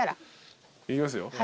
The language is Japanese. いきますよ。